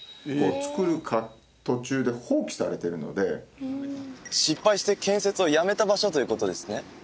造る途中で放棄されてるので失敗して建設をやめた場所ということですね？